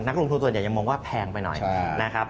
ลงทุนส่วนใหญ่ยังมองว่าแพงไปหน่อยนะครับ